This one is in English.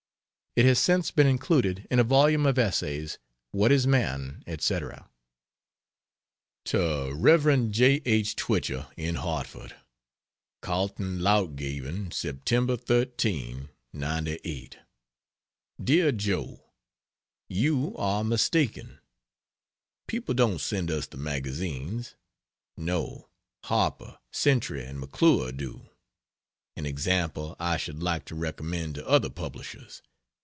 It has since been included in a volume of essays, What Is Man, etc. To Rev. J. H. Twichell, in Hartford: KALTENLEUTGEBEN, Sep. 13, '98. DEAR JOE, You are mistaken; people don't send us the magazines. No Harper, Century and McClure do; an example I should like to recommend to other publishers.